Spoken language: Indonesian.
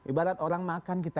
ibarat orang makan kita